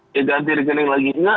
dia ganti rekening lain lagi